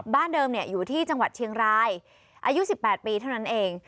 เดิมอยู่ที่จังหวัดเชียงรายอายุ๑๘ปีเท่านั้นเอง